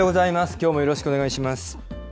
きょうもよろしくお願いします。